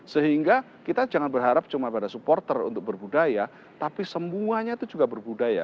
sehingga kita jangan berharap cuma pada supporter untuk berbudaya tapi semuanya itu juga berbudaya